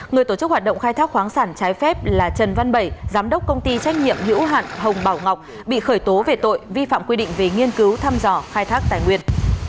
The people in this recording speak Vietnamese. người tổ chức hoạt động khai thác khoáng sản trái phép là trần văn bảy giám đốc công ty trách nhiệm hữu hạn hồng bảo ngọc bị khởi tố về tội vi phạm quy định về nghiên cứu thăm dò khai thác tài nguyên